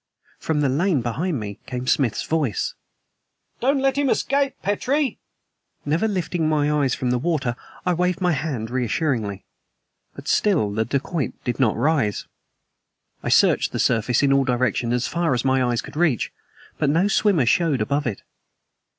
From the lane behind me came Smith's voice: "Don't let him escape, Petrie!" Never lifting my eyes from the water, I waved my hand reassuringly. But still the dacoit did not rise. I searched the surface in all directions as far as my eyes could reach; but no swimmer showed above it.